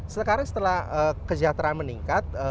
sekarang setelah kejahatan meningkat